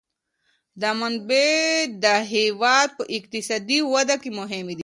دا منابع د هېواد په اقتصادي وده کي مهم دي.